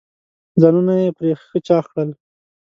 ځانونه یې پرې ښه چاغ کړل.